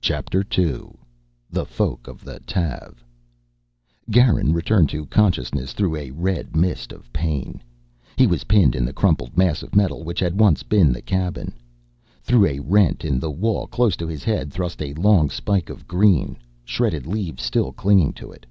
CHAPTER TWO The Folk of Tav Garin returned to consciousness through a red mist of pain. He was pinned in the crumpled mass of metal which had once been the cabin. Through a rent in the wall close to his head thrust a long spike of green, shredded leaves still clinging to it.